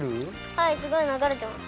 はいすごいながれてます。